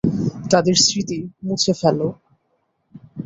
তাদের স্মৃতি মুছে ফেলো।